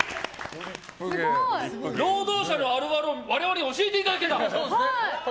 労働者のあるあるを我々に教えていただけると。